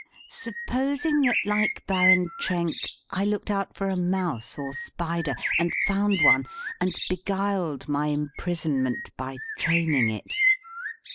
Supposing that, like Baron Trenck, I looked out for a mouse or spider, and found one, and beguiled my imprisonment by training it?